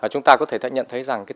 chúng ta có thể nhận thấy